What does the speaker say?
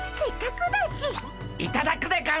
いただくでゴンス。